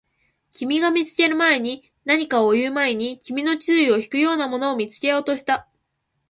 君が見つける前に、何かを言う前に、君の注意を引くようなものを見つけようとした